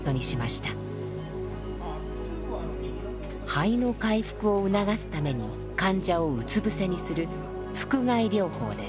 肺の回復を促すために患者をうつ伏せにする